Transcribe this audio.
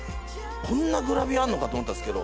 こんなグラビアあるのかと思ったんですけど。